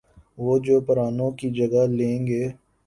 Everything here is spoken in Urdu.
وہ جو پرانوں کی جگہ لیں گے۔